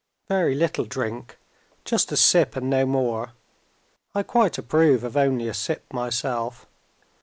Very little drink just a sip, and no more. I quite approve of only a sip myself.